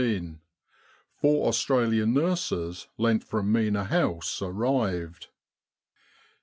Four Australian nurses lent from Mena House arrived.